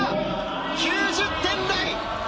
９０点台！